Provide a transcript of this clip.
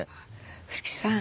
伏木さん